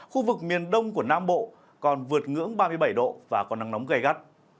khu vực miền đông của nam bộ còn vượt ngưỡng ba mươi bảy độ và có nắng nóng gây gắt